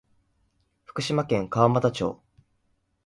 福島県川俣町